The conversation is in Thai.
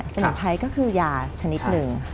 สมุนไพรก็คือยาชนิดหนึ่ง